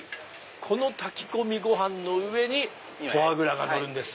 この炊き込みご飯の上にフォアグラがのるんです。